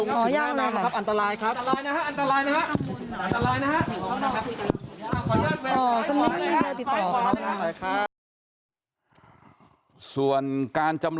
ขออนุญาตนะครับ